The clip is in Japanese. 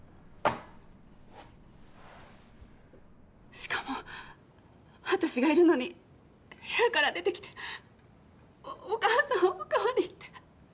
しかも私がいるのに部屋から出てきておお母さんお代わりって。